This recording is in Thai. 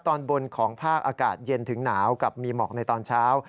ตอนบนของภาคอากาศเย็นถึงหนาวกับมีหมอกในตอนเช้า